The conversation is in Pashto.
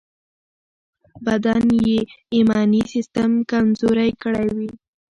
بدن یې ایمني سيستم کمزوری وي.